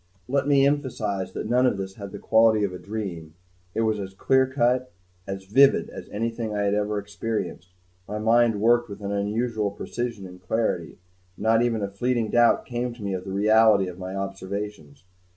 Let me emphasize that none of this had the quality of a dream; it was clear cut, as vivid as anything I had ever experienced; my mind worked with an unusual precision and clarity, and not even a fleeting doubt came to me of the reality of my observations.